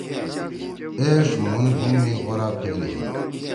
ایݜ مُھون بُھوم می غورا پھیل ہی۔